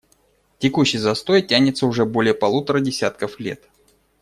Текущий застой тянется уже более полутора десятков лет.